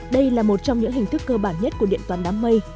đây là một trong những hình thức cơ bản nhất của điện toán đám mây